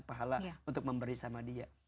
pahala untuk memberi sama dia